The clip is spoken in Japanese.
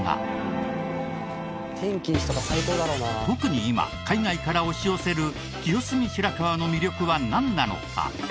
特に今海外から押し寄せる清澄白河の魅力はなんなのか？